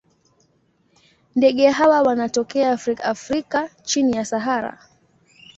Ndege hawa wanatokea Afrika chini ya Sahara.